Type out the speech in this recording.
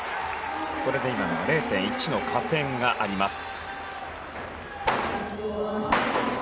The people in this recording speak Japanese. これで０．１の加点があります。